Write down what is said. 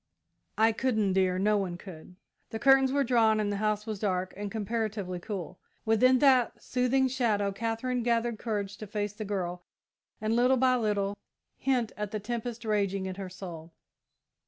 "I couldn't, dear no one could!" The curtains were drawn and the house was dark and comparatively cool. Within that soothing shadow, Katherine gathered courage to face the girl, and, little by little, hint at the tempest raging in her soul.